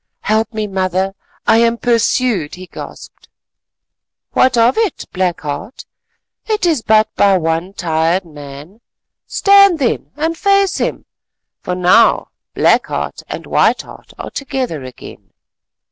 "Help me, mother, I am pursued," he gasped. "What of it, Black Heart, it is but by one tired man. Stand then and face him, for now Black Heart and White Heart are together again.